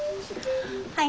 はい。